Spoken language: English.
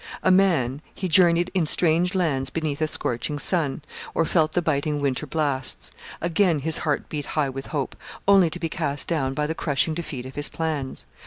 A man, he journeyed in strange lands beneath a scorching sun, or felt the biting winter blasts. Again his heart beat high with hope, only to be cast down by the crushing defeat of his plans.